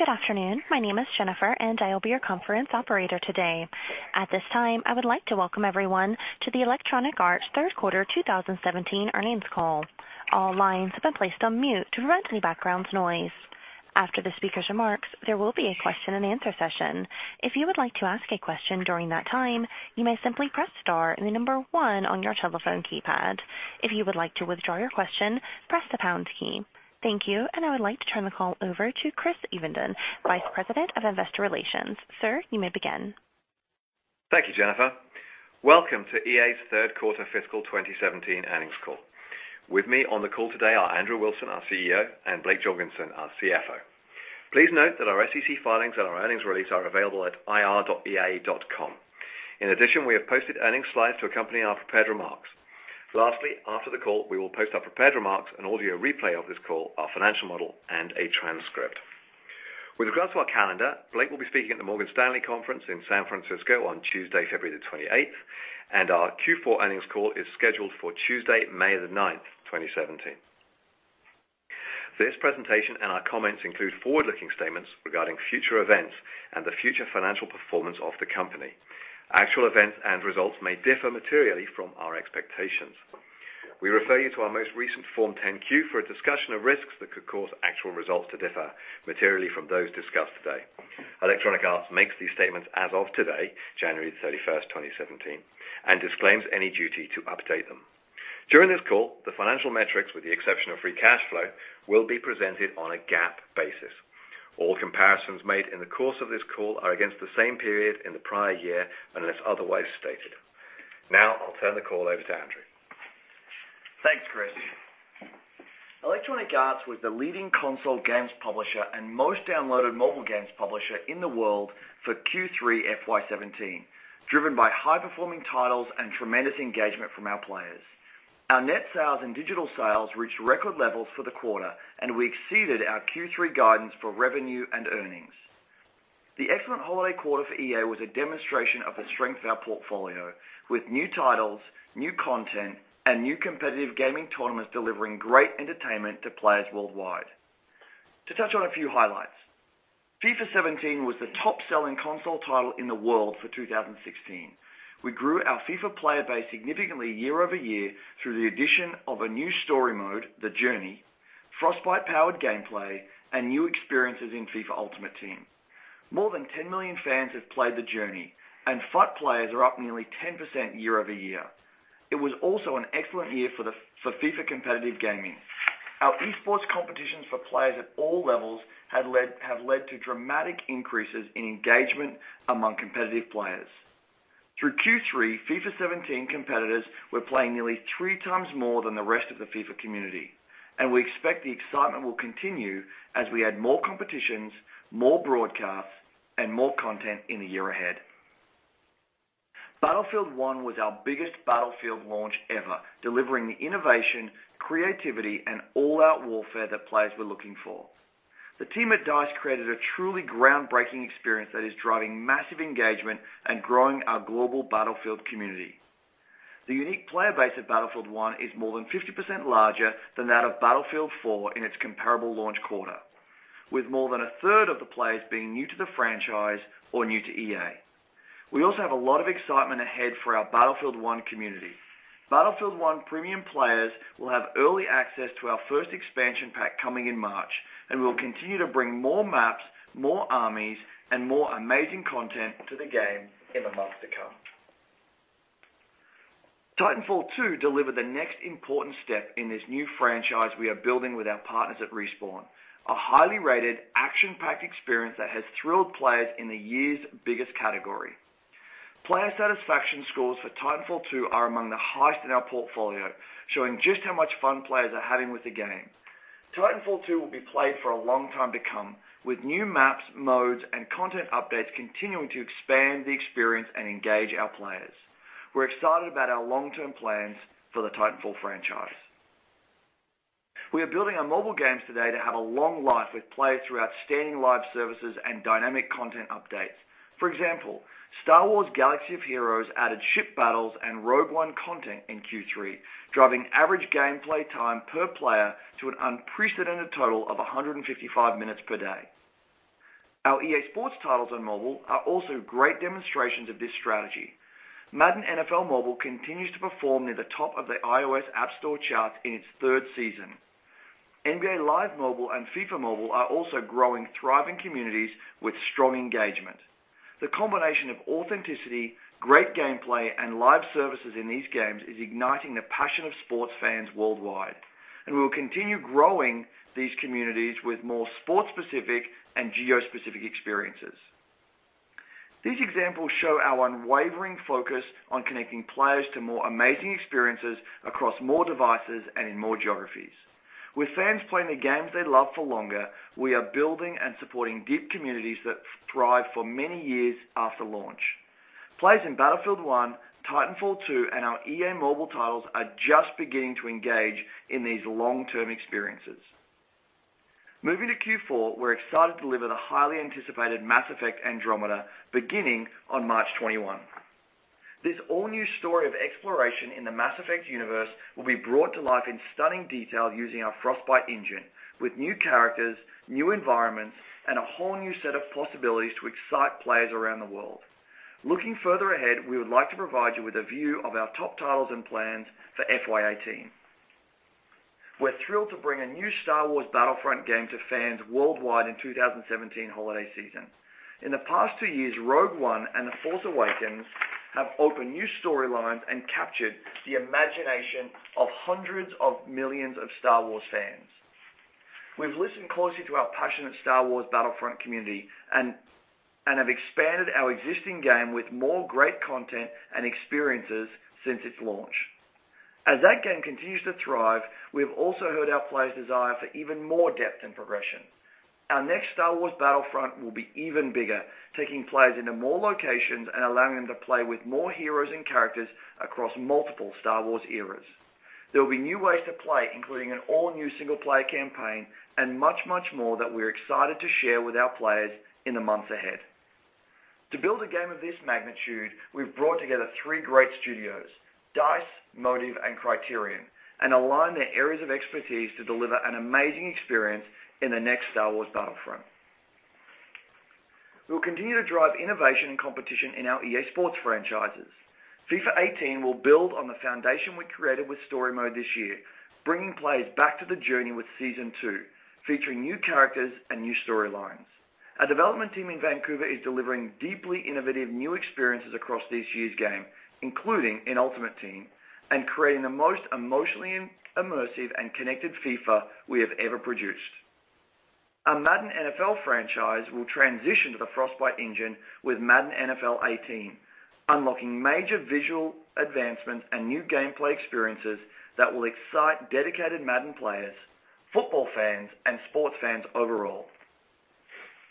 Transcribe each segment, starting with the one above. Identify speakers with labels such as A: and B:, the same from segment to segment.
A: Good afternoon. My name is Jennifer, and I will be your conference operator today. At this time, I would like to welcome everyone to the Electronic Arts third quarter 2017 earnings call. All lines have been placed on mute to prevent any background noise. After the speaker's remarks, there will be a question and answer session. If you would like to ask a question during that time, you may simply press star and the number one on your telephone keypad. If you would like to withdraw your question, press the pound key. Thank you, and I would like to turn the call over to Chris Evenden, Vice President, Investor Relations. Sir, you may begin.
B: Thank you, Jennifer. Welcome to EA's third quarter fiscal 2017 earnings call. With me on the call today are Andrew Wilson, our CEO, and Blake Jorgensen, our CFO. Please note that our SEC filings and our earnings release are available at ir.ea.com. In addition, we have posted earnings slides to accompany our prepared remarks. Lastly, after the call, we will post our prepared remarks, an audio replay of this call, our financial model, and a transcript. With regards to our calendar, Blake will be speaking at the Morgan Stanley Conference in San Francisco on Tuesday, February the 28th, and our Q4 earnings call is scheduled for Tuesday, May the 9th, 2017. This presentation and our comments include forward-looking statements regarding future events and the future financial performance of the company. Actual events and results may differ materially from our expectations. We refer you to our most recent Form 10-Q for a discussion of risks that could cause actual results to differ materially from those discussed today. Electronic Arts makes these statements as of today, January the 31st, 2017, and disclaims any duty to update them. During this call, the financial metrics, with the exception of free cash flow, will be presented on a GAAP basis. All comparisons made in the course of this call are against the same period in the prior year, unless otherwise stated. Now, I'll turn the call over to Andrew.
C: Thanks, Chris. Electronic Arts was the leading console games publisher and most downloaded mobile games publisher in the world for Q3 FY 2017, driven by high-performing titles and tremendous engagement from our players. Our net sales and digital sales reached record levels for the quarter, and we exceeded our Q3 guidance for revenue and earnings. The excellent holiday quarter for EA was a demonstration of the strength of our portfolio with new titles, new content, and new competitive gaming tournaments delivering great entertainment to players worldwide. To touch on a few highlights. FIFA 17 was the top-selling console title in the world for 2016. We grew our FIFA player base significantly year-over-year through the addition of a new story mode, The Journey, Frostbite-powered gameplay, and new experiences in FIFA Ultimate Team. More than 10 million fans have played The Journey, and FUT players are up nearly 10% year-over-year. It was also an excellent year for FIFA competitive gaming. Our esports competitions for players at all levels have led to dramatic increases in engagement among competitive players. Through Q3, FIFA 17 competitors were playing nearly three times more than the rest of the FIFA community, and we expect the excitement will continue as we add more competitions, more broadcasts, and more content in the year ahead. Battlefield 1 was our biggest Battlefield launch ever, delivering the innovation, creativity, and all-out warfare that players were looking for. The team at DICE created a truly groundbreaking experience that is driving massive engagement and growing our global Battlefield community. The unique player base of Battlefield 1 is more than 50% larger than that of Battlefield 4 in its comparable launch quarter, with more than a third of the players being new to the franchise or new to EA. We also have a lot of excitement ahead for our Battlefield 1 community. Battlefield 1 premium players will have early access to our first expansion pack coming in March, and we'll continue to bring more maps, more armies, and more amazing content to the game in the months to come. Titanfall 2 delivered the next important step in this new franchise we are building with our partners at Respawn. A highly rated, action-packed experience that has thrilled players in the year's biggest category. Player satisfaction scores for Titanfall 2 are among the highest in our portfolio, showing just how much fun players are having with the game. Titanfall 2 will be played for a long time to come, with new maps, modes, and content updates continuing to expand the experience and engage our players. We're excited about our long-term plans for the Titanfall franchise. We are building our mobile games today to have a long life with players through outstanding live services and dynamic content updates. For example, Star Wars: Galaxy of Heroes added ship battles and Rogue One content in Q3, driving average gameplay time per player to an unprecedented total of 155 minutes per day. Our EA SPORTS titles on mobile are also great demonstrations of this strategy. Madden NFL Mobile continues to perform near the top of the iOS App Store charts in its third season. NBA Live Mobile and FIFA Mobile are also growing, thriving communities with strong engagement. The combination of authenticity, great gameplay, and live services in these games is igniting the passion of sports fans worldwide. We will continue growing these communities with more sport-specific and geo-specific experiences. These examples show our unwavering focus on connecting players to more amazing experiences across more devices and in more geographies. With fans playing the games they love for longer, we are building and supporting deep communities that thrive for many years after launch. Players in Battlefield 1, Titanfall 2, and our EA Mobile titles are just beginning to engage in these long-term experiences. Moving to Q4, we're excited to deliver the highly anticipated Mass Effect: Andromeda beginning on March 21. This all-new story of exploration in the Mass Effect universe will be brought to life in stunning detail using our Frostbite engine, with new characters, new environments, and a whole new set of possibilities to excite players around the world. Looking further ahead, we would like to provide you with a view of our top titles and plans for FY 2018. We're thrilled to bring a new Star Wars Battlefront game to fans worldwide in 2017 holiday season. In the past two years, Rogue One and The Force Awakens have opened new storylines and captured the imagination of hundreds of millions of Star Wars fans. We've listened closely to our passionate Star Wars Battlefront community and have expanded our existing game with more great content and experiences since its launch. As that game continues to thrive, we've also heard our players' desire for even more depth and progression. Our next Star Wars Battlefront will be even bigger, taking players into more locations and allowing them to play with more heroes and characters across multiple Star Wars eras. There will be new ways to play, including an all-new single player campaign and much, much more that we're excited to share with our players in the months ahead. To build a game of this magnitude, we've brought together three great studios: DICE, Motive, and Criterion, and align their areas of expertise to deliver an amazing experience in the next Star Wars Battlefront. We'll continue to drive innovation and competition in our EA SPORTS franchises. FIFA 18 will build on the foundation we created with The Journey this year, bringing players back to The Journey with Season 2, featuring new characters and new storylines. Our development team in Vancouver is delivering deeply innovative new experiences across this year's game, including in Ultimate Team, and creating the most emotionally immersive and connected FIFA we have ever produced. Our Madden NFL franchise will transition to the Frostbite engine with Madden NFL 18, unlocking major visual advancements and new gameplay experiences that will excite dedicated Madden players, football fans, and sports fans overall.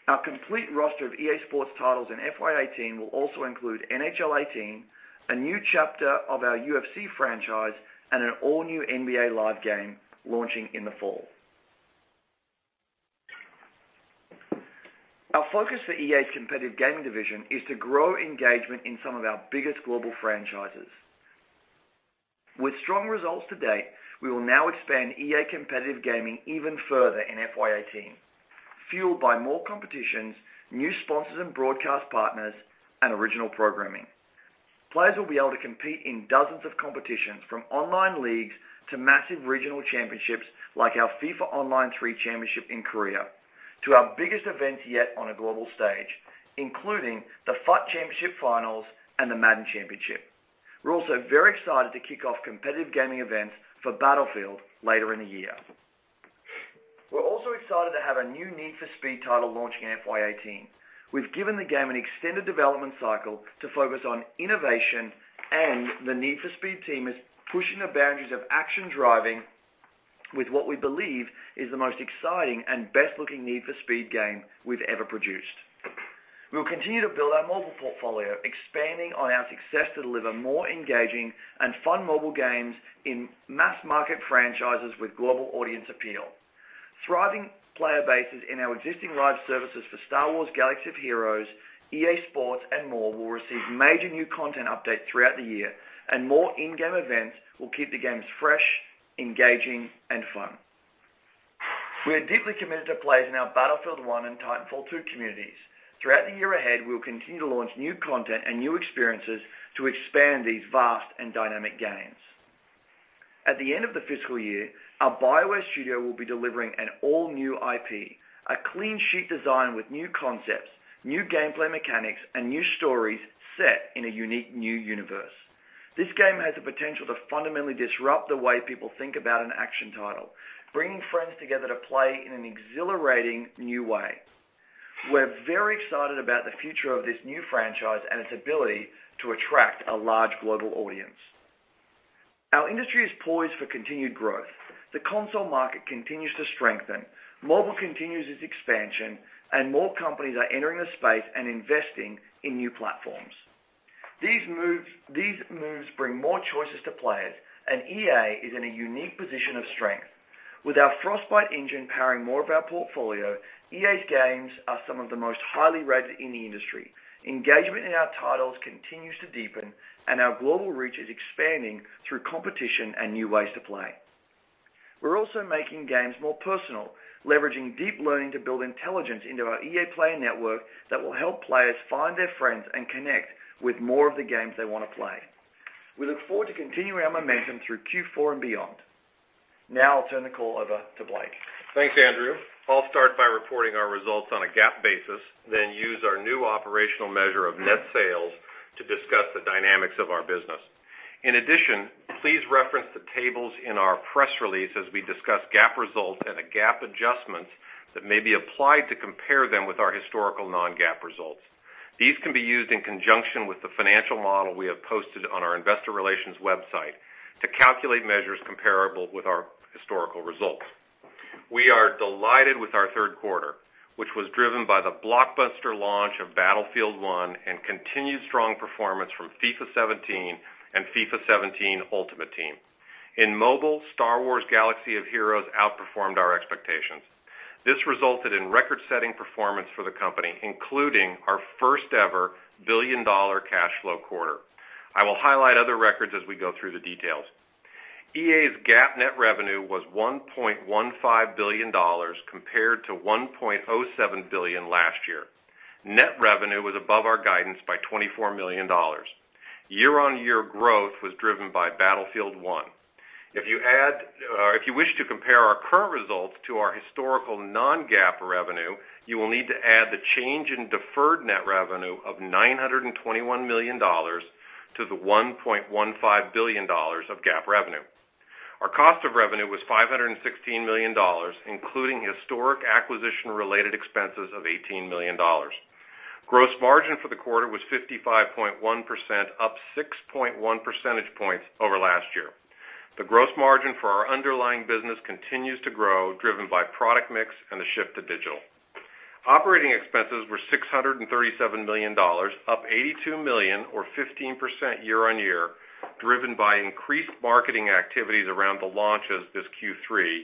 C: Our complete roster of EA SPORTS titles in FY 2018 will also include NHL 18, a new chapter of our UFC franchise, and an all-new NBA Live game launching in the fall. Our focus for EA's competitive gaming division is to grow engagement in some of our biggest global franchises. With strong results to date, we will now expand EA competitive gaming even further in FY 2018, fueled by more competitions, new sponsors and broadcast partners, and original programming. Players will be able to compete in dozens of competitions, from online leagues to massive regional championships, like our FIFA Online 3 championship in Korea, to our biggest events yet on a global stage, including the FUT Championship finals and the Madden championship. We're also very excited to kick off competitive gaming events for Battlefield later in the year. We're also excited to have a new Need for Speed title launching in FY 2018. We've given the game an extended development cycle to focus on innovation, and the Need for Speed team is pushing the boundaries of action driving with what we believe is the most exciting and best-looking Need for Speed game we've ever produced. We will continue to build our mobile portfolio, expanding on our success to deliver more engaging and fun mobile games in mass market franchises with global audience appeal. Thriving player bases in our existing live services for Star Wars: Galaxy of Heroes, EA SPORTS, and more will receive major new content updates throughout the year, and more in-game events will keep the games fresh, engaging, and fun. We are deeply committed to players in our Battlefield 1 and Titanfall 2 communities. Throughout the year ahead, we will continue to launch new content and new experiences to expand these vast and dynamic games. At the end of the fiscal year, our BioWare studio will be delivering an all-new IP, a clean sheet design with new concepts, new gameplay mechanics, and new stories set in a unique new universe. This game has the potential to fundamentally disrupt the way people think about an action title, bringing friends together to play in an exhilarating new way. We're very excited about the future of this new franchise and its ability to attract a large global audience. Our industry is poised for continued growth. The console market continues to strengthen. Mobile continues its expansion, and more companies are entering the space and investing in new platforms. These moves bring more choices to players, and EA is in a unique position of strength. With our Frostbite engine powering more of our portfolio, EA's games are some of the most highly rated in the industry. Engagement in our titles continues to deepen, and our global reach is expanding through competition and new ways to play. We're also making games more personal, leveraging deep learning to build intelligence into our EA Play Network that will help players find their friends and connect with more of the games they want to play. We look forward to continuing our momentum through Q4 and beyond. Now I'll turn the call over to Blake.
D: Thanks, Andrew. I'll start by reporting our results on a GAAP basis, then use our new operational measure of net sales to discuss the dynamics of our business. In addition, please reference the tables in our press release as we discuss GAAP results and the GAAP adjustments that may be applied to compare them with our historical non-GAAP results. These can be used in conjunction with the financial model we have posted on our investor relations website to calculate measures comparable with our historical results. We are delighted with our third quarter, which was driven by the blockbuster launch of Battlefield 1 and continued strong performance from FIFA 17 and FIFA 17 Ultimate Team. In mobile, Star Wars: Galaxy of Heroes outperformed our expectations. This resulted in record-setting performance for the company, including our first-ever billion-dollar cash flow quarter. I will highlight other records as we go through the details. EA's GAAP net revenue was $1.15 billion compared to $1.07 billion last year. Net revenue was above our guidance by $24 million. Year-on-year growth was driven by Battlefield 1. If you wish to compare our current results to our historical non-GAAP revenue, you will need to add the change in deferred net revenue of $921 million to the $1.15 billion of GAAP revenue. Our cost of revenue was $516 million, including historic acquisition-related expenses of $18 million. Gross margin for the quarter was 55.1%, up 6.1 percentage points over last year. The gross margin for our underlying business continues to grow, driven by product mix and the shift to digital. Operating expenses were $637 million, up $82 million or 15% year-on-year, driven by increased marketing activities around the launches this Q3.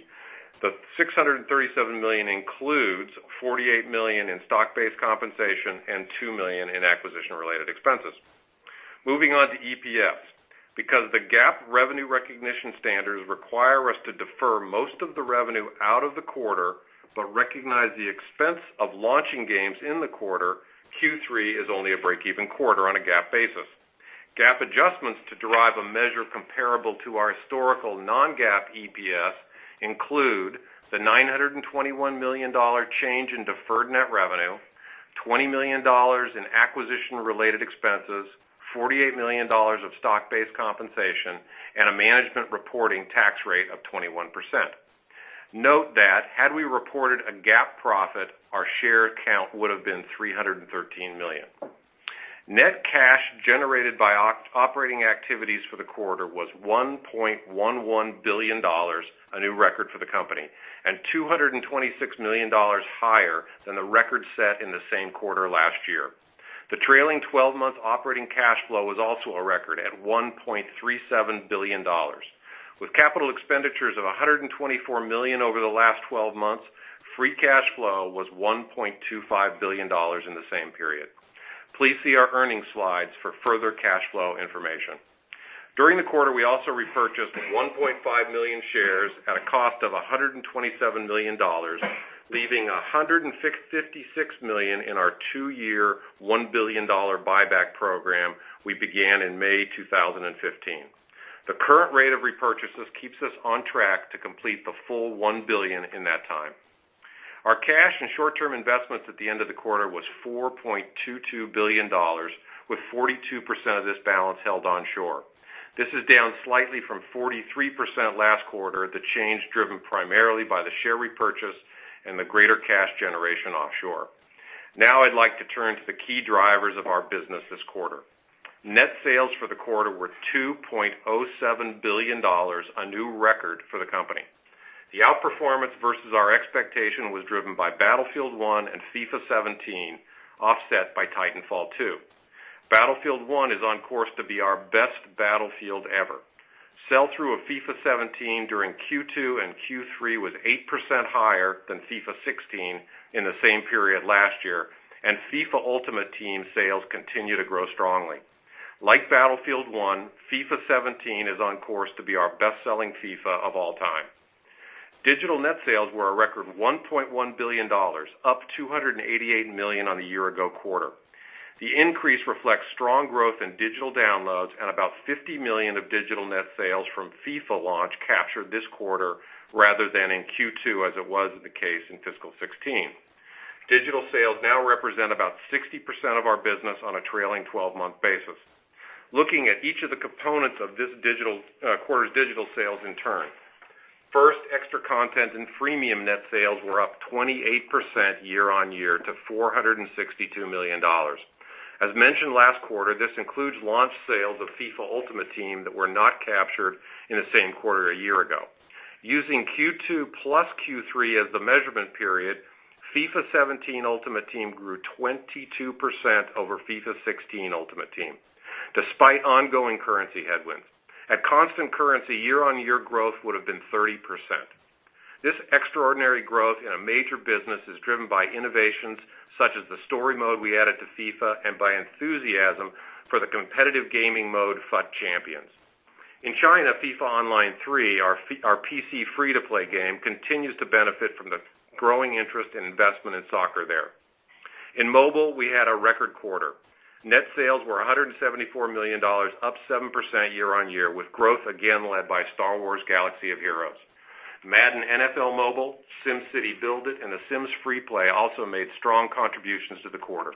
D: The $637 million includes $48 million in stock-based compensation and $2 million in acquisition-related expenses. Moving on to EPS. Because the GAAP revenue recognition standards require us to defer most of the revenue out of the quarter, but recognize the expense of launching games in the quarter, Q3 is only a break-even quarter on a GAAP basis. GAAP adjustments to derive a measure comparable to our historical non-GAAP EPS include the $921 million change in deferred net revenue, $20 million in acquisition-related expenses, $48 million of stock-based compensation, and a management reporting tax rate of 21%. Note that had we reported a GAAP profit, our share count would have been 313 million. Net cash generated by operating activities for the quarter was $1.11 billion, a new record for the company, and $226 million higher than the record set in the same quarter last year. The trailing 12-month operating cash flow was also a record at $1.37 billion. With capital expenditures of $124 million over the last 12 months, free cash flow was $1.25 billion in the same period. Please see our earnings slides for further cash flow information. During the quarter, we also repurchased 1.5 million shares at a cost of $127 million, leaving $156 million in our two-year, $1 billion buyback program we began in May 2015. The current rate of repurchases keeps us on track to complete the full $1 billion in that time. Our cash and short-term investments at the end of the quarter was $4.22 billion, with 42% of this balance held onshore. This is down slightly from 43% last quarter, the change driven primarily by the share repurchase and the greater cash generation offshore. Now I'd like to turn to the key drivers of our business this quarter. Net sales for the quarter were $2.07 billion, a new record for the company. The outperformance versus our expectation was driven by Battlefield 1 and FIFA 17, offset by Titanfall 2. Battlefield 1 is on course to be our best Battlefield ever. Sell-through of FIFA 17 during Q2 and Q3 was 8% higher than FIFA 16 in the same period last year, and FIFA Ultimate Team sales continue to grow strongly. Like Battlefield 1, FIFA 17 is on course to be our best-selling FIFA of all time. Digital net sales were a record $1.1 billion, up $288 million on the year ago quarter. The increase reflects strong growth in digital downloads and about $50 million of digital net sales from FIFA launch captured this quarter rather than in Q2, as it was the case in fiscal 2016. Digital sales now represent about 60% of our business on a trailing 12-month basis. Looking at each of the components of this quarter's digital sales in turn. First, extra content and freemium net sales were up 28% year-on-year to $462 million. As mentioned last quarter, this includes launch sales of FIFA Ultimate Team that were not captured in the same quarter a year ago. Using Q2 plus Q3 as the measurement period, FIFA 17 Ultimate Team grew 22% over FIFA 16 Ultimate Team, despite ongoing currency headwinds. At constant currency, year-on-year growth would have been 30%. This extraordinary growth in a major business is driven by innovations such as the story mode we added to FIFA and by enthusiasm for the competitive gaming mode, FUT Champions. In China, FIFA Online 3, our PC free-to-play game, continues to benefit from the growing interest and investment in soccer there. In mobile, we had a record quarter. Net sales were $174 million, up 7% year-on-year, with growth again led by Star Wars: Galaxy of Heroes. Madden NFL Mobile, SimCity BuildIt, and The Sims FreePlay also made strong contributions to the quarter.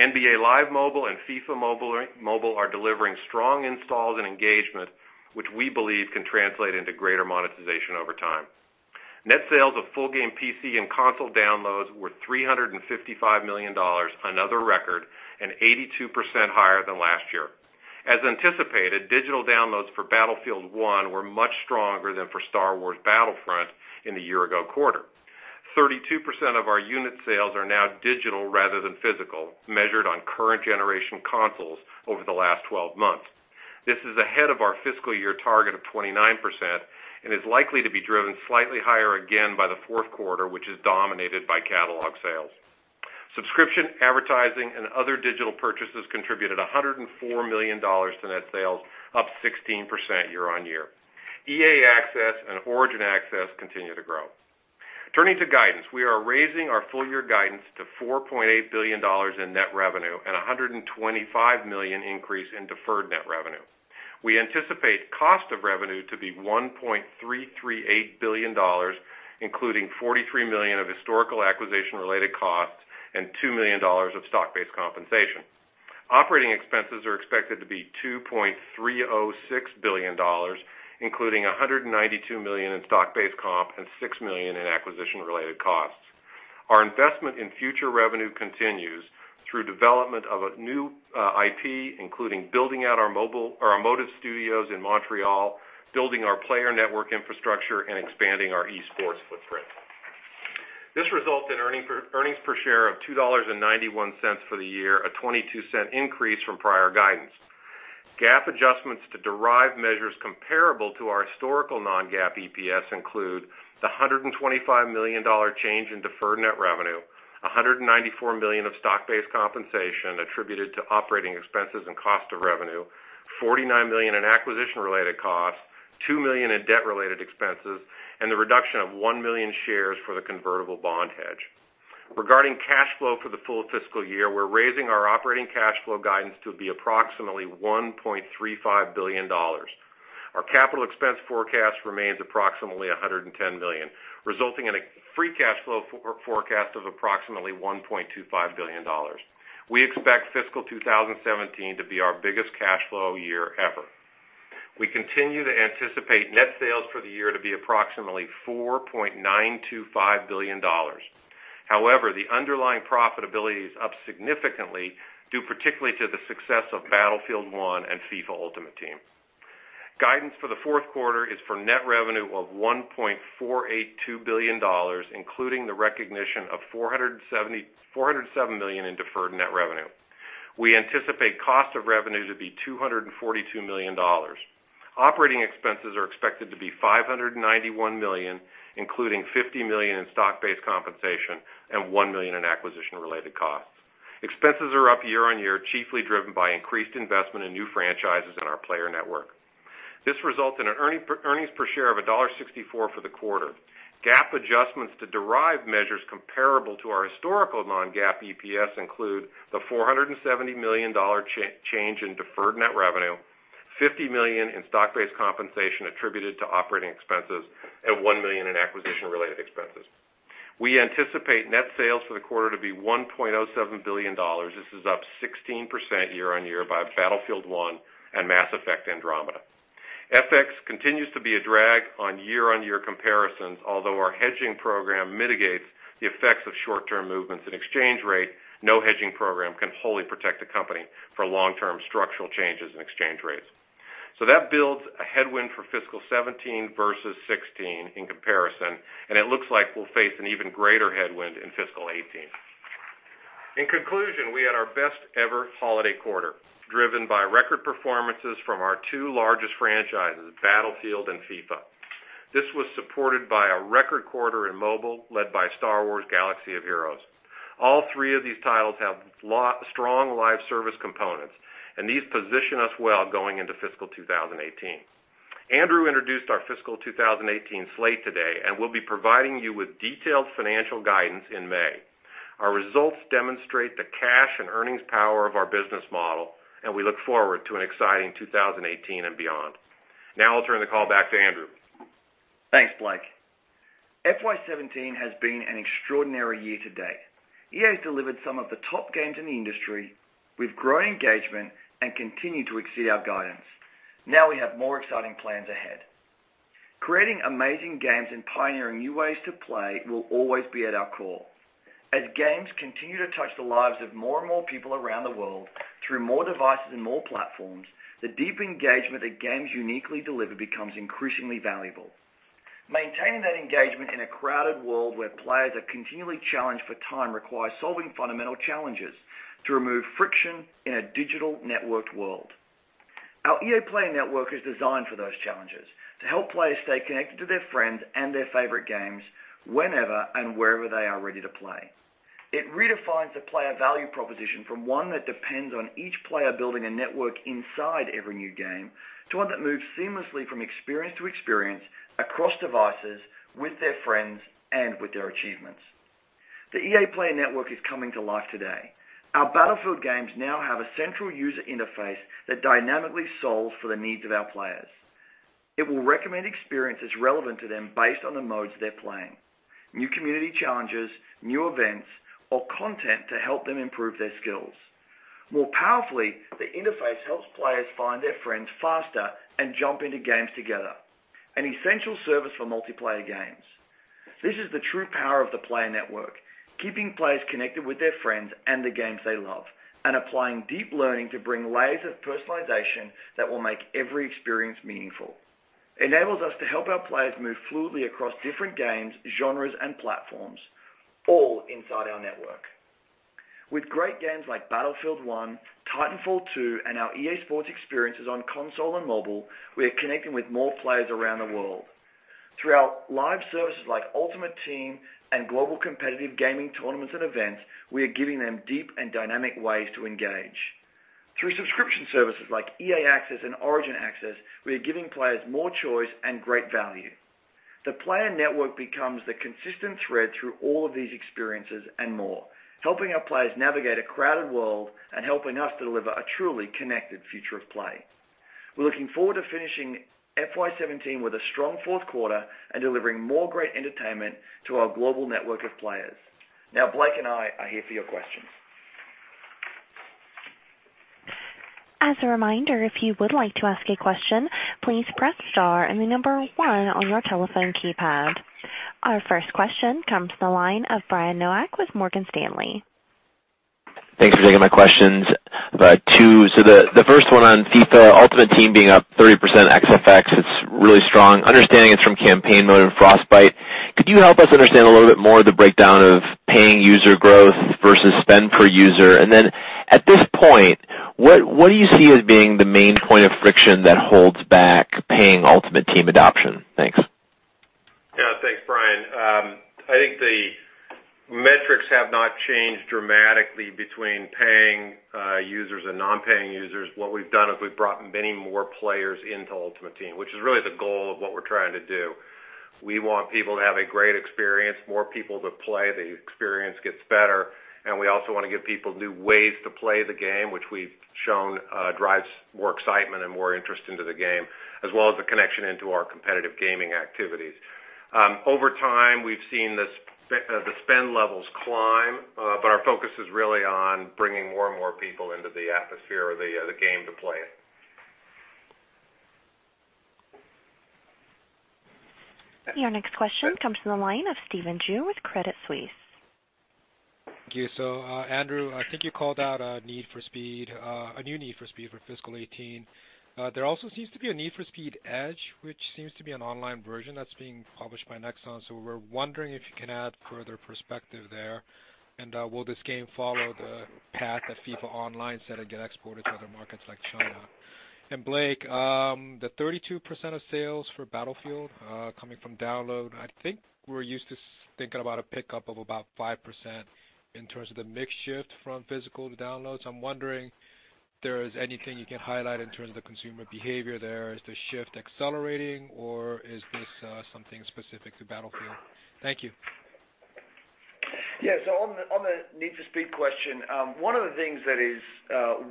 D: NBA Live Mobile and FIFA Mobile are delivering strong installs and engagement, which we believe can translate into greater monetization over time. Net sales of full game PC and console downloads were $355 million, another record, and 82% higher than last year. As anticipated, digital downloads for Battlefield 1 were much stronger than for Star Wars: Battlefront in the year ago quarter. 32% of our unit sales are now digital rather than physical, measured on current generation consoles over the last 12 months. This is ahead of our fiscal year target of 29% and is likely to be driven slightly higher again by the fourth quarter, which is dominated by catalog sales. Subscription, advertising, and other digital purchases contributed $104 million to net sales, up 16% year-on-year. EA Access and Origin Access continue to grow. Turning to guidance, we are raising our full year guidance to $4.8 billion in net revenue and 125 million increase in deferred net revenue. We anticipate cost of revenue to be $1.338 billion, including $43 million of historical acquisition-related costs and $2 million of stock-based compensation. Operating expenses are expected to be $2.306 billion, including $192 million in stock-based comp and $6 million in acquisition-related costs. Our investment in future revenue continues through development of a new IP, including building out our Motive Studios in Montreal, building our player network infrastructure, and expanding our eSports footprint. This results in earnings per share of $2.91 for the year, a $0.22 increase from prior guidance. GAAP adjustments to derive measures comparable to our historical non-GAAP EPS include the $125 million change in deferred net revenue, $194 million of stock-based compensation attributed to operating expenses and cost of revenue, $49 million in acquisition-related costs, $2 million in debt-related expenses, and the reduction of one million shares for the convertible bond hedge. Regarding cash flow for the full fiscal year, we're raising our operating cash flow guidance to be approximately $1.35 billion. Our capital expense forecast remains approximately $110 million, resulting in a free cash flow forecast of approximately $1.25 billion. We expect fiscal 2017 to be our biggest cash flow year ever. We continue to anticipate net sales for the year to be approximately $4.925 billion. The underlying profitability is up significantly, due particularly to the success of Battlefield 1 and FIFA Ultimate Team. Guidance for the fourth quarter is for net revenue of $1.482 billion, including the recognition of $407 million in deferred net revenue. We anticipate cost of revenue to be $242 million. Operating expenses are expected to be $591 million, including $50 million in stock-based compensation and $1 million in acquisition-related costs. Expenses are up year-over-year, chiefly driven by increased investment in new franchises in our EA Player Network. This results in an earnings per share of $1.64 for the quarter. GAAP adjustments to derive measures comparable to our historical non-GAAP EPS include the $470 million change in deferred net revenue, $50 million in stock-based compensation attributed to operating expenses, and $1 million in acquisition-related expenses. We anticipate net sales for the quarter to be $1.07 billion. This is up 16% year-over-year by Battlefield 1 and Mass Effect: Andromeda. FX continues to be a drag on year-over-year comparisons, although our hedging program mitigates the effects of short-term movements in exchange rate. No hedging program can wholly protect the company for long-term structural changes in exchange rates. That builds a headwind for fiscal 2017 versus 2016 in comparison, and it looks like we'll face an even greater headwind in fiscal 2018. In conclusion, we had our best ever holiday quarter, driven by record performances from our two largest franchises, Battlefield and FIFA. This was supported by a record quarter in mobile, led by Star Wars: Galaxy of Heroes. All three of these titles have strong live service components, and these position us well going into fiscal 2018. Andrew introduced our fiscal 2018 slate today. We'll be providing you with detailed financial guidance in May. Our results demonstrate the cash and earnings power of our business model. We look forward to an exciting 2018 and beyond. Now I'll turn the call back to Andrew.
C: Thanks, Blake. FY 2017 has been an extraordinary year to date. EA has delivered some of the top games in the industry with growing engagement, continue to exceed our guidance. Now we have more exciting plans ahead. Creating amazing games and pioneering new ways to play will always be at our core. As games continue to touch the lives of more and more people around the world through more devices and more platforms, the deep engagement that games uniquely deliver becomes increasingly valuable. Maintaining that engagement in a crowded world where players are continually challenged for time requires solving fundamental challenges to remove friction in a digital networked world. Our EA Player Network is designed for those challenges to help players stay connected to their friends and their favorite games whenever and wherever they are ready to play. It redefines the player value proposition from one that depends on each player building a network inside every new game, to one that moves seamlessly from experience to experience across devices with their friends and with their achievements. The EA Player Network is coming to life today. Our Battlefield games now have a central user interface that dynamically solves for the needs of our players. It will recommend experiences relevant to them based on the modes they're playing. New community challenges, new events, or content to help them improve their skills. More powerfully, the interface helps players find their friends faster and jump into games together, an essential service for multiplayer games. This is the true power of the player network. Keeping players connected with their friends and the games they love and applying deep learning to bring layers of personalization that will make every experience meaningful. Enables us to help our players move fluidly across different games, genres, and platforms, all inside our network. With great games like Battlefield 1, Titanfall 2, and our EA SPORTS experiences on console and mobile, we are connecting with more players around the world. Through our live services like Ultimate Team and global competitive gaming tournaments and events, we are giving them deep and dynamic ways to engage. Through subscription services like EA Access and Origin Access, we are giving players more choice and great value. The player network becomes the consistent thread through all of these experiences and more, helping our players navigate a crowded world and helping us deliver a truly connected future of play. We're looking forward to finishing FY 2017 with a strong fourth quarter and delivering more great entertainment to our global network of players. Now Blake and I are here for your questions.
A: As a reminder, if you would like to ask a question, please press star and the number one on your telephone keypad. Our first question comes from the line of Brian Nowak with Morgan Stanley.
E: Thanks for taking my questions. 2, the first one on FIFA Ultimate Team being up 30% XFX, it's really strong. Understanding it's from campaign mode and Frostbite, could you help us understand a little bit more of the breakdown of paying user growth versus spend per user? At this point, what do you see as being the main point of friction that holds back paying Ultimate Team adoption? Thanks.
D: Yeah. Thanks, Brian. I think the metrics have not changed dramatically between paying users and non-paying users. What we've done is we've brought many more players into Ultimate Team, which is really the goal of what we're trying to do. We want people to have a great experience, more people to play, the experience gets better, and we also want to give people new ways to play the game, which we've shown drives more excitement and more interest into the game, as well as the connection into our competitive gaming activities. Over time, we've seen the spend levels climb. Our focus is really on bringing more and more people into the atmosphere of the game to play it.
A: Your next question comes from the line of Stephen Ju with Credit Suisse.
F: Thank you. Andrew, I think you called out a new Need for Speed for fiscal 2018. There also seems to be a Need for Speed: Edge, which seems to be an online version that's being published by Nexon. We're wondering if you can add further perspective there, and will this game follow the path of FIFA Online set to get exported to other markets like China? Blake, the 32% of sales for Battlefield coming from download, I think we're used to thinking about a pickup of about 5% in terms of the mix shift from physical to download. I'm wondering if there is anything you can highlight in terms of consumer behavior there. Is the shift accelerating, or is this something specific to Battlefield? Thank you.
C: Yeah. On the Need for Speed question, one of the things that is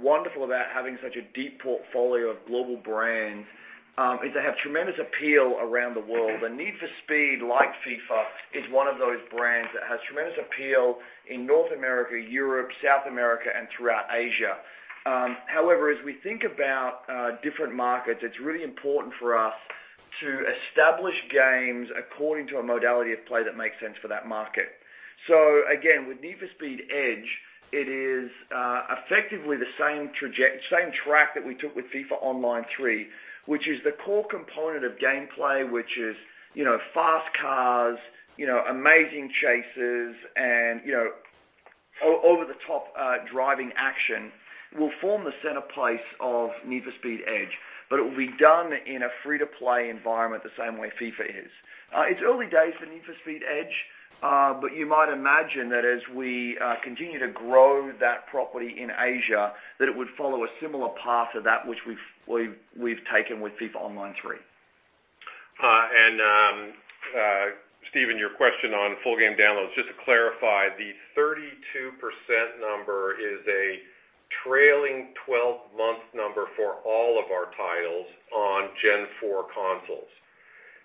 C: wonderful about having such a deep portfolio of global brands, is they have tremendous appeal around the world. Need for Speed, like FIFA, is one of those brands that has tremendous appeal in North America, Europe, South America, and throughout Asia. However, as we think about different markets, it's really important for us to establish games according to a modality of play that makes sense for that market. Again, with Need for Speed: Edge, it is effectively the same track that we took with FIFA Online 3, which is the core component of gameplay, which is fast cars, amazing chases, and over-the-top driving action will form the center place of Need for Speed: Edge. It will be done in a free-to-play environment the same way FIFA is. It's early days for Need for Speed: Edge, but you might imagine that as we continue to grow that property in Asia, that it would follow a similar path to that which we've taken with FIFA Online 3.
D: Stephen, your question on full game downloads, just to clarify, the 32% number is a trailing 12-month number for all of our titles on Gen 4 consoles.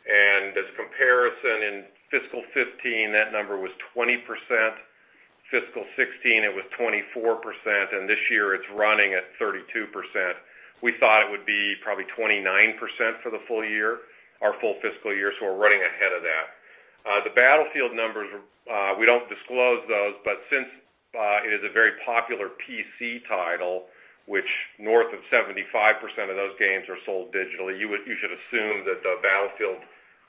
D: As comparison, in fiscal 2015, that number was 20%, fiscal 2016 it was 24%, and this year it's running at 32%. We thought it would be probably 29% for the full year, our full fiscal year, we're running ahead of that. The Battlefield numbers, we don't disclose those, but since it is a very popular PC title, which north of 75% of those games are sold digitally, you should assume that the Battlefield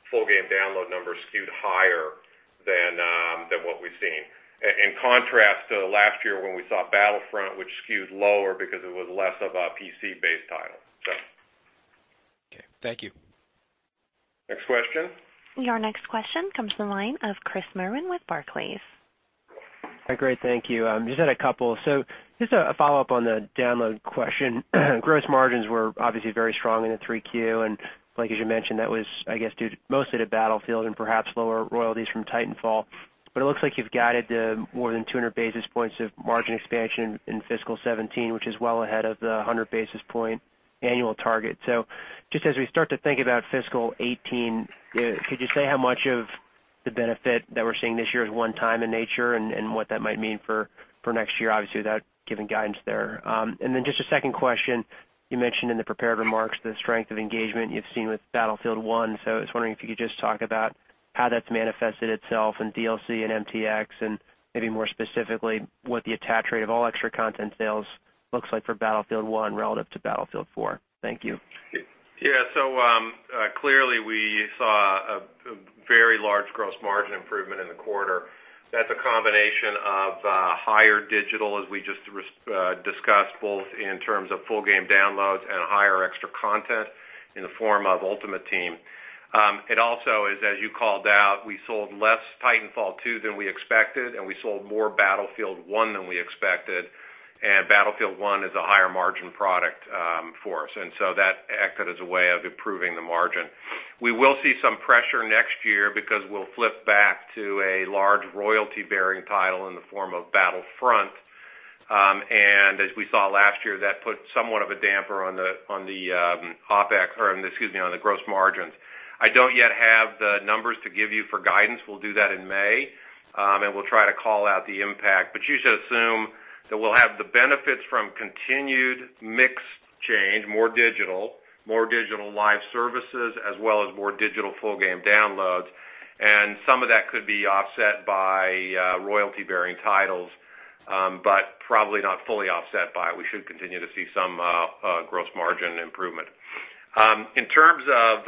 D: full game download numbers skewed higher than what we've seen. In contrast to last year when we saw Battlefront, which skewed lower because it was less of a PC-based title.
F: Okay, thank you.
D: Next question.
A: Your next question comes from the line of Chris Merwin with Barclays.
G: Hi. Great, thank you. Just had a couple. Just a follow-up on the download question. Gross margins were obviously very strong in the 3 Q, and Blake, as you mentioned, that was, I guess, due mostly to Battlefield and perhaps lower royalties from Titanfall. It looks like you've guided more than 200 basis points of margin expansion in fiscal 2017, which is well ahead of the 100 basis point annual target. Just as we start to think about fiscal 2018, could you say how much of the benefit that we're seeing this year is one time in nature and what that might mean for next year, obviously, without giving guidance there? Just a second question: You mentioned in the prepared remarks the strength of engagement you've seen with Battlefield 1, I was wondering if you could just talk about how that's manifested itself in DLC and MTX and maybe more specifically, what the attach rate of all extra content sales looks like for Battlefield 1 relative to Battlefield 4. Thank you.
D: Yeah. Clearly, we saw a very large gross margin improvement in the quarter. That's a combination of higher digital, as we just discussed, both in terms of full game downloads and higher extra content in the form of Ultimate Team. It also is, as you called out, we sold less Titanfall 2 than we expected, we sold more Battlefield 1 than we expected. Battlefield 1 is a higher margin product for us, that acted as a way of improving the margin. We will see some pressure next year because we'll flip back to a large royalty-bearing title in the form of Battlefront. As we saw last year, that put somewhat of a damper on the gross margins. I don't yet have the numbers to give you for guidance. We'll do that in May. We'll try to call out the impact, you should assume that we'll have the benefits from continued mix change, more digital, more digital live services, as well as more digital full game downloads. Some of that could be offset by royalty-bearing titles, probably not fully offset by it. We should continue to see some gross margin improvement. In terms of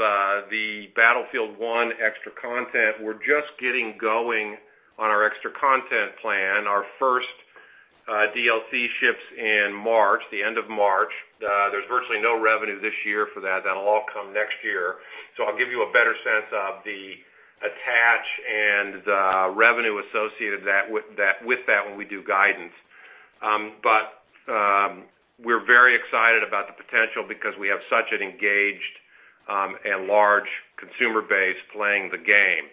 D: the Battlefield 1 extra content, we're just getting going on our extra content plan. Our first DLC ships in March, the end of March. There's virtually no revenue this year for that. That'll all come next year. I'll give you a better sense of the attach and the revenue associated with that when we do guidance. We're very excited about the potential because we have such an engaged and large consumer base playing the game.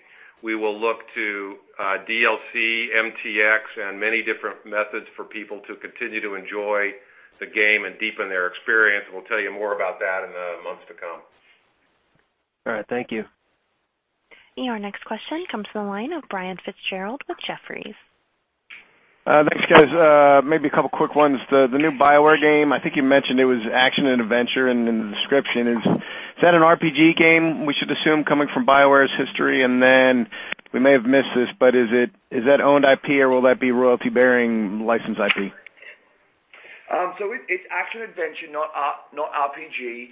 D: We will look to DLC, MTX, and many different methods for people to continue to enjoy the game and deepen their experience. We'll tell you more about that in the months to come.
G: All right. Thank you.
A: Your next question comes from the line of Brian Fitzgerald with Jefferies.
H: Thanks, guys. Maybe a couple of quick ones. The new BioWare game, I think you mentioned it was action and adventure in the description. Is that an RPG game we should assume coming from BioWare's history? Is that owned IP, or will that be royalty-bearing licensed IP?
C: It's action-adventure, not RPG.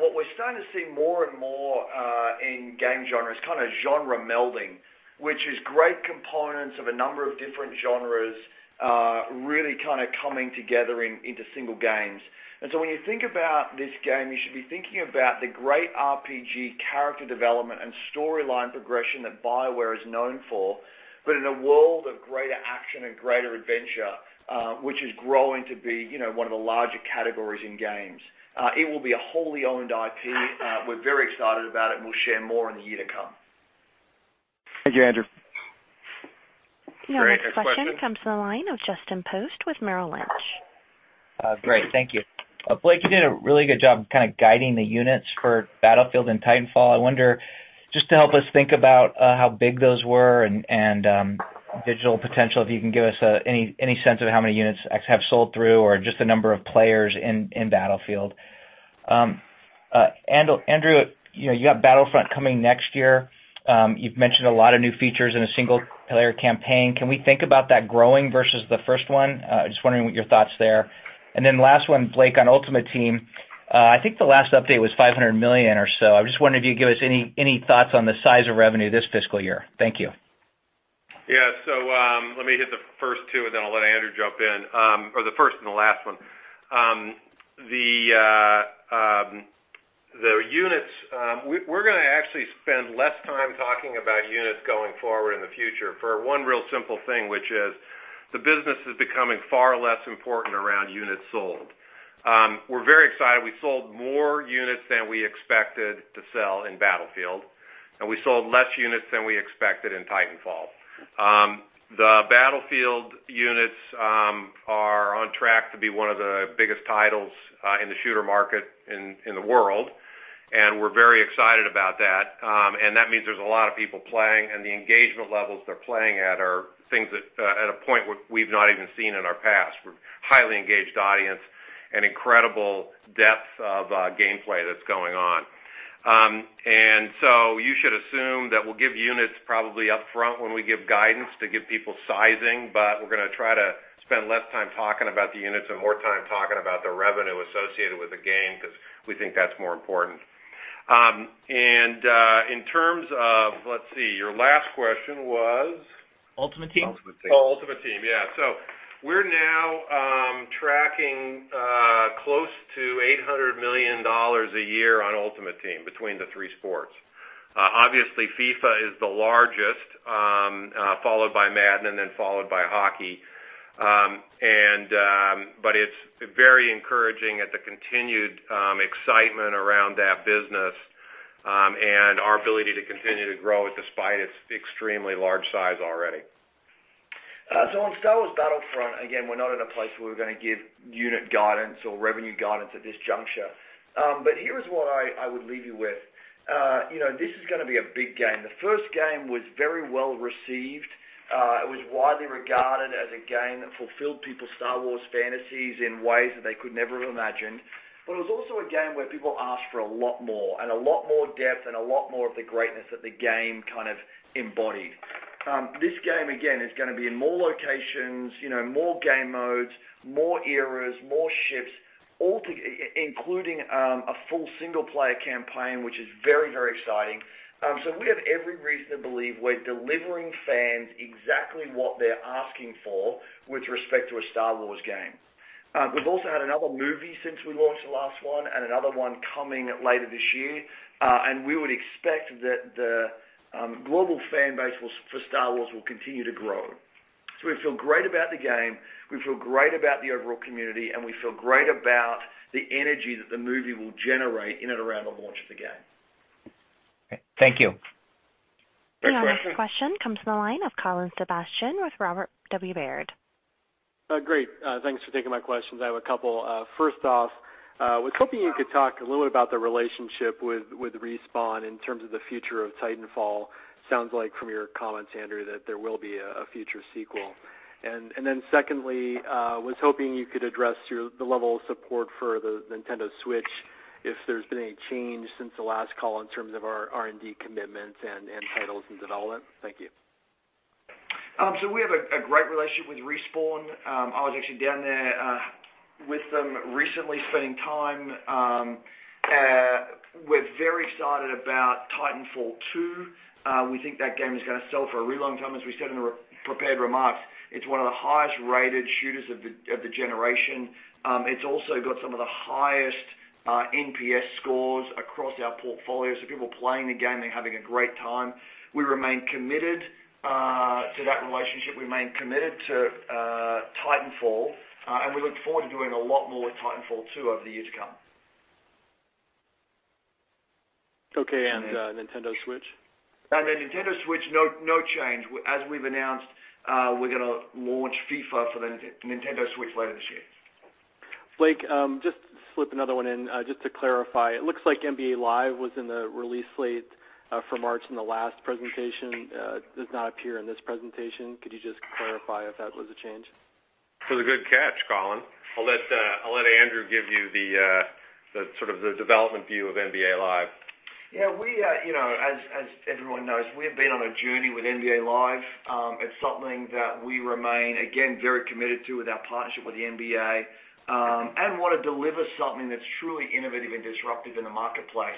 C: What we're starting to see more and more in game genre is kind of genre melding, which is great components of a number of different genres really kind of coming together into single games. When you think about this game, you should be thinking about the great RPG character development and storyline progression that BioWare is known for, but in a world of greater action and greater adventure, which is growing to be one of the larger categories in games. It will be a wholly owned IP. We're very excited about it, and we'll share more in the year to come.
H: Thank you, Andrew.
D: Great. Next question.
A: Your next question comes from the line of Justin Post with Merrill Lynch.
I: Great. Thank you. Blake, you did a really good job kind of guiding the units for Battlefield and Titanfall. I wonder, just to help us think about how big those were and digital potential, if you can give us any sense of how many units have sold through or just the number of players in Battlefield. Andrew, you have Battlefront coming next year. You've mentioned a lot of new features in a single-player campaign. Can we think about that growing versus the first one? Just wondering what your thoughts there. Last one, Blake, on Ultimate Team. I think the last update was $500 million or so. I just wonder if you'd give us any thoughts on the size of revenue this fiscal year. Thank you.
D: Yeah. Let me hit the first two, and then I'll let Andrew jump in, or the first and the last one. The units, we're going to actually spend less time talking about units going forward in the future for one real simple thing, which is the business is becoming far less important around units sold. We're very excited we sold more units than we expected to sell in Battlefield, and we sold less units than we expected in Titanfall. The Battlefield units are on track to be one of the biggest titles in the shooter market in the world, and we're very excited about that. That means there's a lot of people playing, and the engagement levels they're playing at are things at a point where we've not even seen in our past. We're highly engaged audience and incredible depth of gameplay that's going on. You should assume that we'll give units probably up front when we give guidance to give people sizing, but we're going to try to spend less time talking about the units and more time talking about the revenue associated with the game because we think that's more important. In terms of, let's see, your last question was.
I: Ultimate Team.
C: Ultimate Team.
D: Ultimate Team. We're now tracking close to $800 million a year on Ultimate Team between the three sports. Obviously, FIFA is the largest, followed by Madden, and then followed by hockey. It's very encouraging at the continued excitement around that business and our ability to continue to grow it despite its extremely large size already.
C: On Star Wars Battlefront, again, we're not in a place where we're going to give unit guidance or revenue guidance at this juncture. Here is what I would leave you with. This is going to be a big game. The first game was very well-received. It was widely regarded as a game that fulfilled people's Star Wars fantasies in ways that they could never have imagined. It was also a game where people asked for a lot more and a lot more depth and a lot more of the greatness that the game kind of embodied. This game, again, is going to be in more locations, more game modes, more eras, more ships, including a full single-player campaign, which is very exciting. We have every reason to believe we're delivering fans exactly what they're asking for with respect to a Star Wars game. We've also had another movie since we launched the last one and another one coming later this year. We would expect that the global fan base for Star Wars will continue to grow. We feel great about the game. We feel great about the overall community, and we feel great about the energy that the movie will generate in and around the launch of the game.
I: Okay. Thank you.
C: Thanks, Justin Post. Your next question comes from the line of Colin Sebastian with Robert W. Baird.
J: Great. Thanks for taking my questions. I have a couple. First off, was hoping you could talk a little bit about the relationship with Respawn in terms of the future of Titanfall. Sounds like from your comments, Andrew, that there will be a future sequel. Secondly, was hoping you could address the level of support for the Nintendo Switch, if there's been any change since the last call in terms of our R&D commitments and titles in development. Thank you.
C: We have a great relationship with Respawn. I was actually down there with them recently spending time. We're very excited about Titanfall 2. We think that game is going to sell for a really long time. As we said in our prepared remarks, it's one of the highest-rated shooters of the generation. It's also got some of the highest NPS scores across our portfolio. People are playing the game. They're having a great time. We remain committed to that relationship. We remain committed to Titanfall, and we look forward to doing a lot more with Titanfall 2 over the years to come.
J: Okay, Nintendo Switch?
C: Nintendo Switch, no change. As we've announced, we're going to launch FIFA for the Nintendo Switch later this year.
J: Blake, just slip another one in just to clarify. It looks like NBA LIVE was in the release slate for March in the last presentation. Does not appear in this presentation. Could you just clarify if that was a change?
D: That's a good catch, Colin. I'll let Andrew give you the development view of NBA LIVE.
C: As everyone knows, we have been on a journey with NBA LIVE. It's something that we remain, again, very committed to with our partnership with the NBA, and want to deliver something that's truly innovative and disruptive in the marketplace.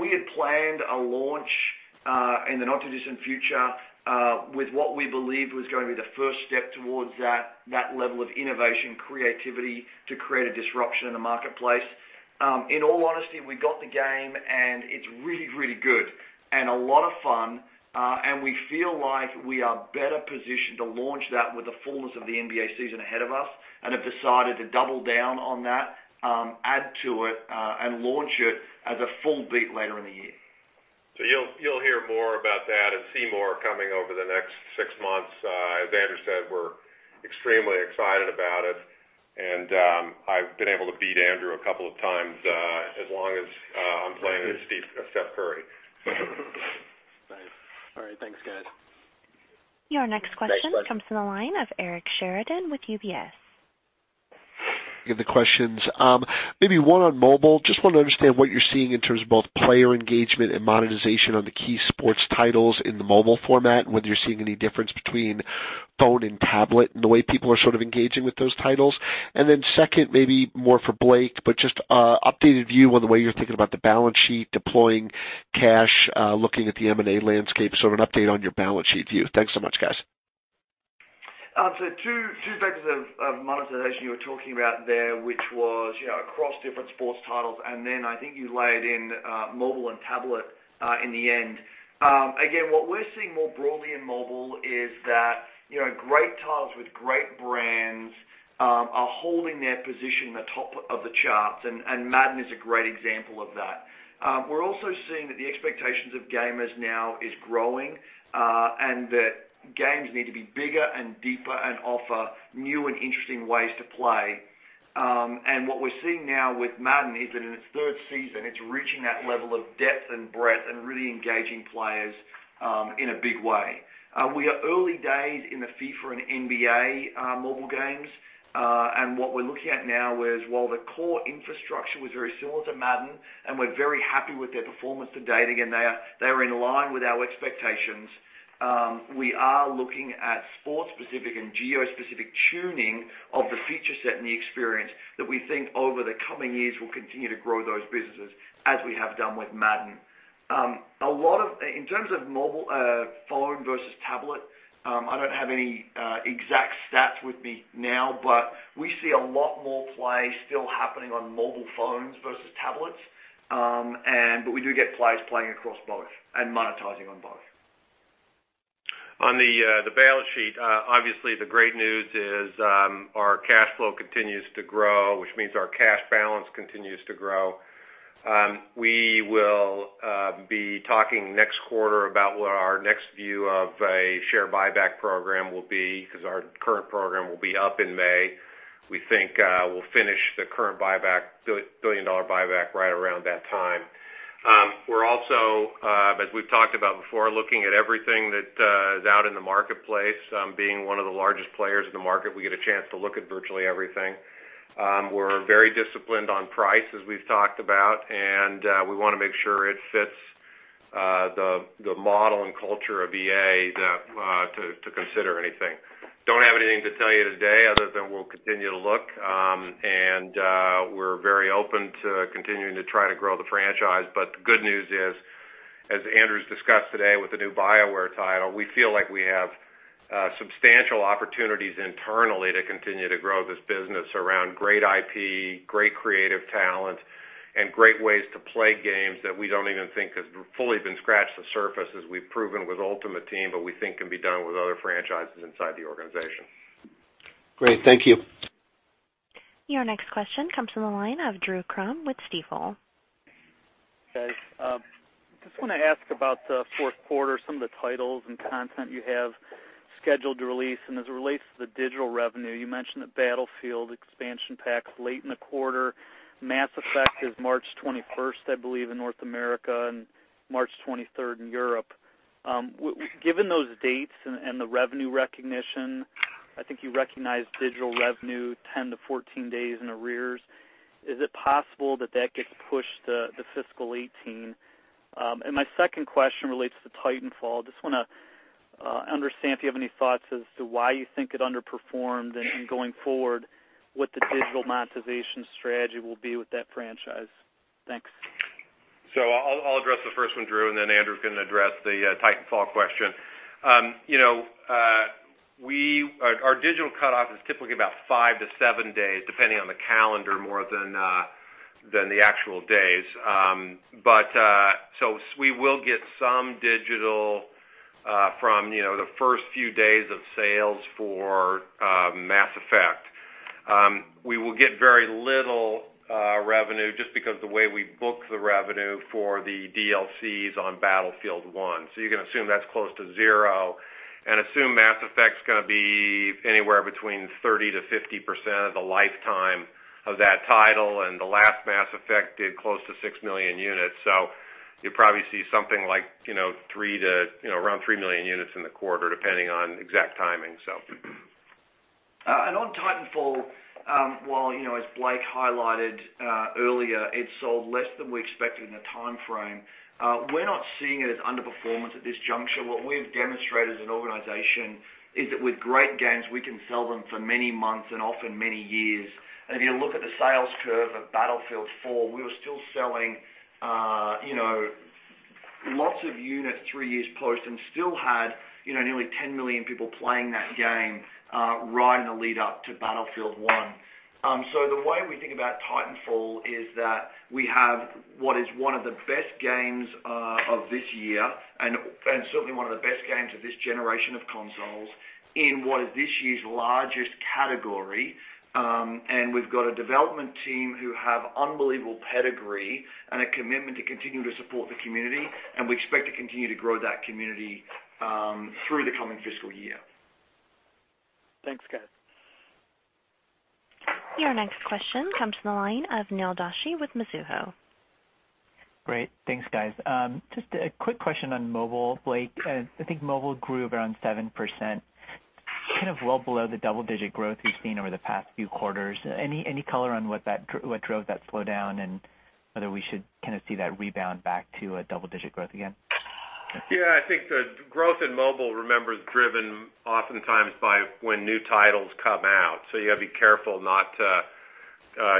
C: We had planned a launch in the not-too-distant future with what we believed was going to be the first step towards that level of innovation, creativity to create a disruption in the marketplace. In all honesty, we got the game, and it's really good and a lot of fun. We feel like we are better positioned to launch that with the fullness of the NBA season ahead of us and have decided to double down on that, add to it, and launch it as a full beat later in the year.
D: You'll hear more about that and see more coming over the next six months. As Andrew said, we're extremely excited about it, and I've been able to beat Andrew a couple of times as long as I'm playing as Steph Curry.
J: Nice. All right. Thanks, guys.
A: Your next question-
D: Thanks
A: comes from the line of Eric Sheridan with UBS.
K: Good questions. Maybe one on mobile. Just want to understand what you're seeing in terms of both player engagement and monetization on the key sports titles in the mobile format, and whether you're seeing any difference between phone and tablet in the way people are sort of engaging with those titles. Second, maybe more for Blake, but just updated view on the way you're thinking about the balance sheet, deploying cash, looking at the M&A landscape, an update on your balance sheet view. Thanks so much, guys.
C: Two vectors of monetization you were talking about there, which was across different sports titles, then I think you layered in mobile and tablet in the end. Again, what we're seeing more broadly in mobile is that great titles with great brands are holding their position in the top of the charts, and Madden is a great example of that. We're also seeing that the expectations of gamers now is growing, and that games need to be bigger and deeper and offer new and interesting ways to play. What we're seeing now with Madden is that in its third season, it's reaching that level of depth and breadth and really engaging players in a big way. We are early days in the FIFA and NBA mobile games. What we're looking at now is while the core infrastructure was very similar to Madden, and we're very happy with their performance to date. Again, they're in line with our expectations. We are looking at sport-specific and geo-specific tuning of the feature set and the experience that we think over the coming years will continue to grow those businesses as we have done with Madden. In terms of mobile phone versus tablet, I don't have any exact stats with me now, but we see a lot more play still happening on mobile phones versus tablets. We do get players playing across both and monetizing on both.
D: On the balance sheet, obviously the great news is our cash flow continues to grow, which means our cash balance continues to grow. We will be talking next quarter about what our next view of a share buyback program will be because our current program will be up in May. We think we'll finish the current $1 billion buyback right around that time. We're also, as we've talked about before, looking at everything that is out in the marketplace. Being one of the largest players in the market, we get a chance to look at virtually everything. We're very disciplined on price, as we've talked about, and we want to make sure it fits the model and culture of EA to consider anything. Don't have anything to tell you today other than we'll continue to look. We're very open to continuing to try to grow the franchise. The good news is, as Andrew's discussed today with the new BioWare title, we feel like we have substantial opportunities internally to continue to grow this business around great IP, great creative talent, and great ways to play games that we don't even think have fully been scratched the surface, as we've proven with Ultimate Team, but we think can be done with other franchises inside the organization.
K: Great. Thank you.
A: Your next question comes from the line of Drew Crum with Stifel.
L: Guys, just want to ask about the fourth quarter, some of the titles and content you have scheduled to release, as it relates to the digital revenue, you mentioned that Battlefield expansion pack's late in the quarter. Mass Effect is March 21st, I believe, in North America and March 23rd in Europe. Given those dates and the revenue recognition, I think you recognized digital revenue 10-14 days in arrears. Is it possible that that gets pushed to the fiscal 2018? My second question relates to Titanfall. Just want to understand if you have any thoughts as to why you think it underperformed and, going forward, what the digital monetization strategy will be with that franchise. Thanks.
D: I'll address the first one, Drew, and then Andrew's going to address the Titanfall question. Our digital cutoff is typically about five to seven days, depending on the calendar more than the actual days. We will get some digital from the first few days of sales for Mass Effect. We will get very little revenue just because the way we book the revenue for the DLCs on Battlefield 1. You can assume that's close to zero and assume Mass Effect's going to be anywhere between 30%-50% of the lifetime of that title, and the last Mass Effect did close to six million units. You'll probably see something like around three million units in the quarter, depending on exact timing.
C: On Titanfall, while, as Blake highlighted earlier, it sold less than we expected in the timeframe, we're not seeing it as underperformance at this juncture. What we've demonstrated as an organization is that with great games, we can sell them for many months and often many years. If you look at the sales curve of Battlefield 4, we were still selling lots of units three years post and still had nearly 10 million people playing that game right in the lead up to Battlefield 1. The way we think about Titanfall is that we have what is one of the best games of this year and certainly one of the best games of this generation of consoles in what is this year's largest category. We've got a development team who have unbelievable pedigree and a commitment to continue to support the community, and we expect to continue to grow that community through the coming fiscal year.
L: Thanks, guys.
A: Your next question comes from the line of Neil Doshi with Mizuho.
M: Great. Thanks, guys. Just a quick question on mobile. Blake, I think mobile grew around 7%, well below the double-digit growth we've seen over the past few quarters. Any color on what drove that slowdown and whether we should kind of see that rebound back to a double-digit growth again?
D: Yeah, I think the growth in mobile, remember, is driven oftentimes by when new titles come out. You got to be careful not to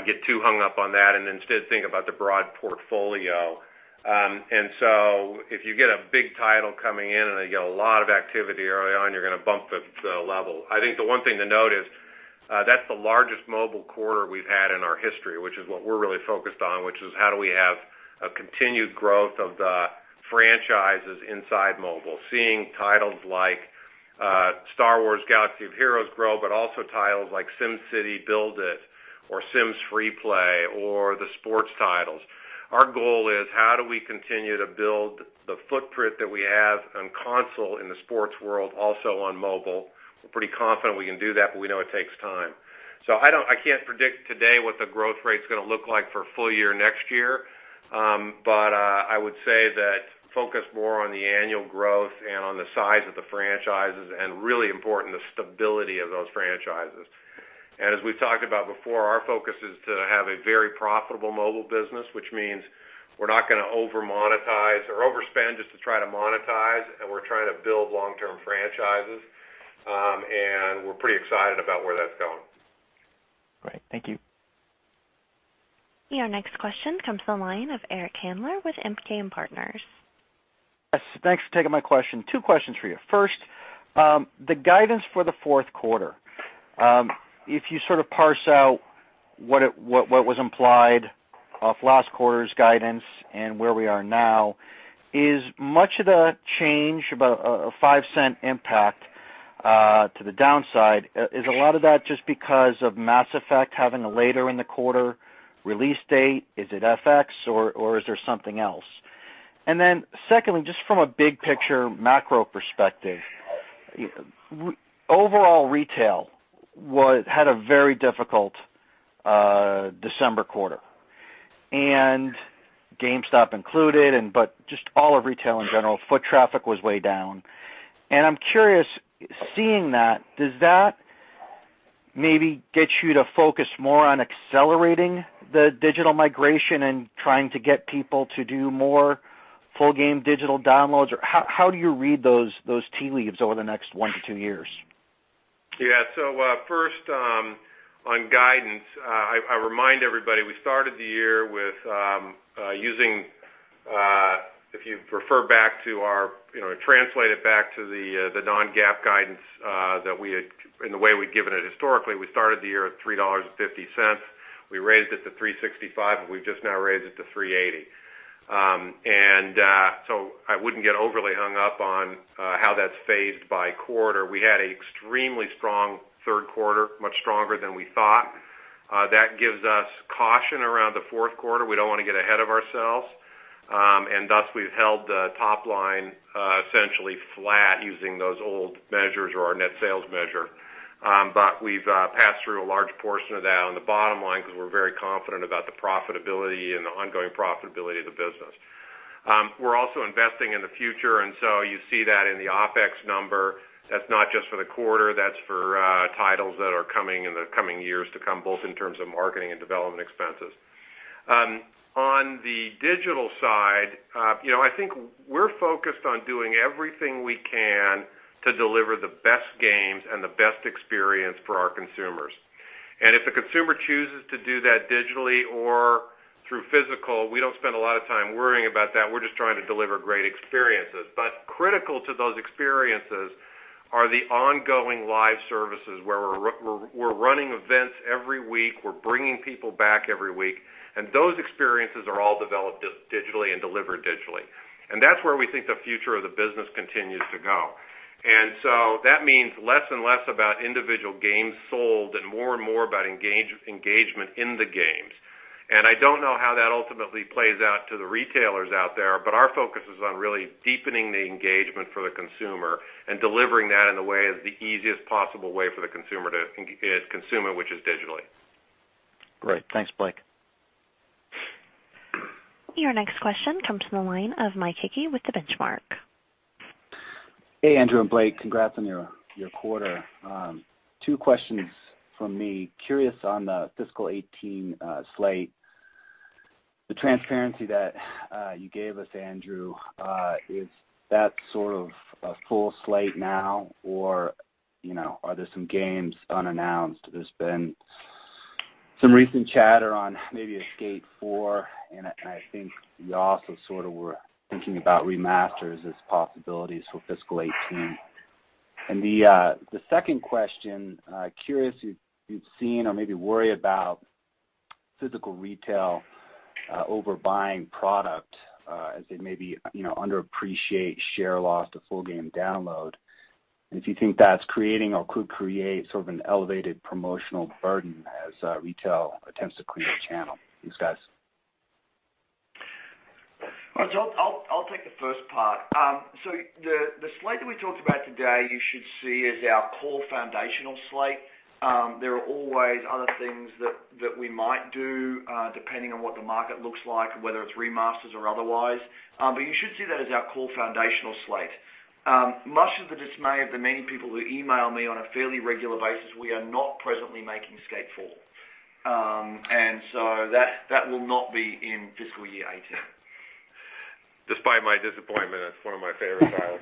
D: get too hung up on that and instead think about the broad portfolio. If you get a big title coming in and you get a lot of activity early on, you're going to bump the level. I think the one thing to note is that's the largest mobile quarter we've had in our history, which is what we're really focused on, which is how do we have a continued growth of the franchises inside mobile. Seeing titles like Star Wars: Galaxy of Heroes grow, but also titles like SimCity BuildIt or The Sims FreePlay or the sports titles. Our goal is how do we continue to build the footprint that we have on console in the sports world, also on mobile. We're pretty confident we can do that, we know it takes time. I can't predict today what the growth rate's going to look like for full year next year. I would say that focus more on the annual growth and on the size of the franchises and really important, the stability of those franchises. As we've talked about before, our focus is to have a very profitable mobile business, which means we're not going to overmonetize or overspend just to try to monetize, and we're trying to build long-term franchises. We're pretty excited about where that's going.
M: Great. Thank you.
A: Your next question comes from the line of Eric Handler with MKM Partners.
N: Yes, thanks for taking my question. Two questions for you. First, the guidance for the fourth quarter. If you sort of parse out what was implied off last quarter's guidance and where we are now, is much of the change, about a $0.05 impact to the downside, is a lot of that just because of Mass Effect having a later in the quarter release date? Is it FX or is there something else? Secondly, just from a big-picture macro perspective, overall retail had a very difficult December quarter. GameStop included, but just all of retail in general, foot traffic was way down. I'm curious, seeing that, does that maybe get you to focus more on accelerating the digital migration and trying to get people to do more full game digital downloads? Or how do you read those tea leaves over the next one to two years?
D: First, on guidance, I remind everybody, we started the year with using, if you translate it back to the non-GAAP guidance in the way we'd given it historically, we started the year at $3.50. We raised it to $3.65, and we've just now raised it to $3.80. I wouldn't get overly hung up on how that's phased by quarter. We had an extremely strong third quarter, much stronger than we thought. That gives us caution around the fourth quarter. We don't want to get ahead of ourselves. Thus, we've held the top line essentially flat using those old measures or our net sales measure. We've passed through a large portion of that on the bottom line because we're very confident about the profitability and the ongoing profitability of the business. We're also investing in the future, and so you see that in the OpEx number. That's not just for the quarter, that's for titles that are coming in the coming years to come, both in terms of marketing and development expenses. On the digital side, I think we're focused on doing everything we can to deliver the best games and the best experience for our consumers. If the consumer chooses to do that digitally or through physical, we don't spend a lot of time worrying about that. We're just trying to deliver great experiences. Critical to those experiences are the ongoing live services where we're running events every week, we're bringing people back every week, and those experiences are all developed digitally and delivered digitally. That's where we think the future of the business continues to go. That means less and less about individual games sold and more and more about engagement in the games. I don't know how that ultimately plays out to the retailers out there, but our focus is on really deepening the engagement for the consumer and delivering that in the way of the easiest possible way for the consumer to consume it, which is digitally.
N: Great. Thanks, Blake.
A: Your next question comes from the line of Mike Hickey with The Benchmark.
O: Hey, Andrew and Blake. Congrats on your quarter. Two questions from me. Curious on the fiscal 2018 slate. The transparency that you gave us, Andrew, is that sort of a full slate now or are there some games unannounced? There's been some recent chatter on maybe a Skate 4, and I think you also sort of were thinking about remasters as possibilities for fiscal 2018. The second question, curious if you've seen or maybe worry about physical retail over-buying product as they maybe underappreciate share loss to full game download, and if you think that's creating or could create sort of an elevated promotional burden as retail attempts to clear the channel. Thanks, guys.
C: Mike, I'll take the first part. The slate that we talked about today you should see as our core foundational slate. There are always other things that we might do depending on what the market looks like, whether it's remasters or otherwise. You should see that as our core foundational slate. Much to the dismay of the many people who email me on a fairly regular basis, we are not presently making Skate 4. That will not be in fiscal year 2018.
D: Despite my disappointment, that's one of my favorite titles.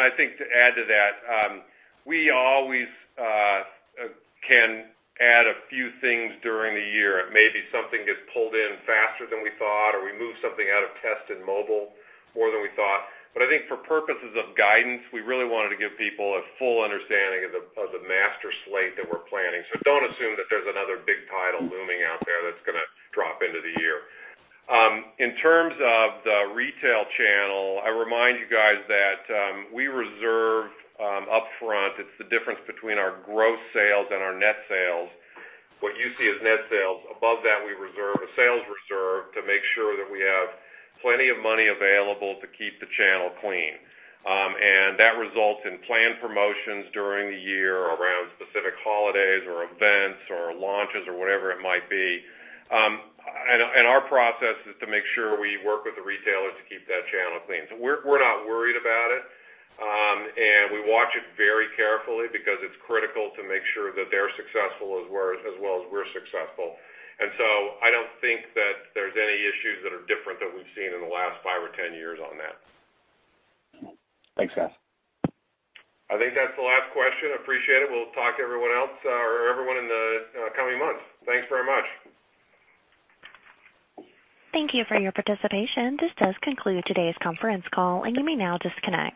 D: I think to add to that, we always can add a few things during the year. Maybe something gets pulled in faster than we thought, or we move something out of test in mobile more than we thought. I think for purposes of guidance, we really wanted to give people a full understanding of the master slate that we're planning. Don't assume that there's another big title looming out there that's going to drop into the year. In terms of the retail channel, I remind you guys that we reserve upfront, it's the difference between our gross sales and our net sales. What you see as net sales, above that, we reserve a sales reserve to make sure that we have plenty of money available to keep the channel clean. That results in planned promotions during the year around specific holidays or events or launches or whatever it might be. Our process is to make sure we work with the retailers to keep that channel clean. We're not worried about it. We watch it very carefully because it's critical to make sure that they're successful as well as we're successful. I don't think that there's any issues that are different than we've seen in the last five or 10 years on that.
O: Thanks, guys.
B: I think that's the last question. Appreciate it. We'll talk to everyone in the coming months. Thanks very much.
A: Thank you for your participation. This does conclude today's conference call, and you may now disconnect.